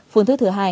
phương thức thứ hai